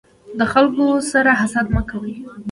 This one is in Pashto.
د خلکو سره حسد مه کوی.